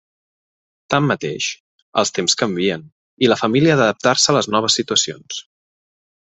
Tanmateix, els temps canvien i la família ha d'adaptar-se a les noves situacions.